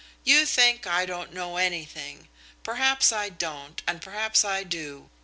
"You think I don't know anything. Perhaps I don't, and perhaps I do.